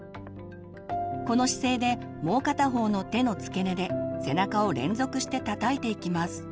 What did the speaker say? この姿勢でもう片方の手の付け根で背中を連続してたたいていきます。